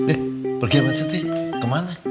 eh pergi apaan sih tih kemana